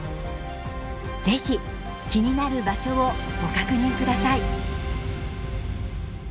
是非気になる場所をご確認ください。